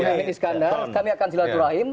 dengan pak iskandar kami akan silaturahim